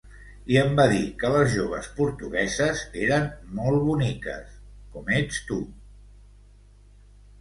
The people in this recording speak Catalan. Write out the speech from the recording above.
I em va dir que les joves portugueses eren molt boniques, com ets tu...